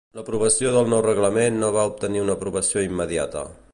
L'aprovació del nou reglament no va obtenir una aprovació immediata.